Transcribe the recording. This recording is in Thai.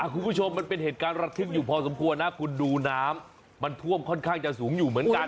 คุณผู้ชมมันเป็นเหตุการณ์ระทึกอยู่พอสมควรนะคุณดูน้ำมันท่วมค่อนข้างจะสูงอยู่เหมือนกัน